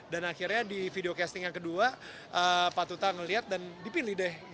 dan akhirnya di video casting yang kedua patutah ngeliat dan dipilih deh